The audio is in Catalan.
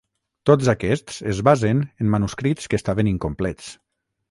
Tots aquests es basen en manuscrits que estaven incomplets.